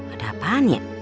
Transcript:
ada apaan ya